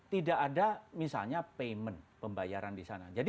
tidak ada misalnya payment pembayaran di sana